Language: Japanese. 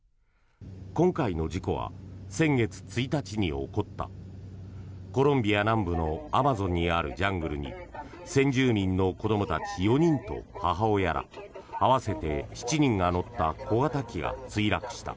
今回の事故は先月１日に起こったコロンビア南部のアマゾンにあるジャングルに先住民の子どもたち４人と母親ら合わせて７人が乗った小型機が墜落した。